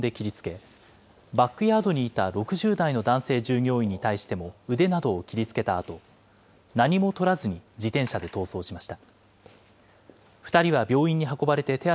男はレジにいた４０代の女性従業員の背中を無言で切りつけ、バックヤードにいた６０代の男性従業員に対しても腕などを切りつけたあと、何もとらずに自転車で逃走しました。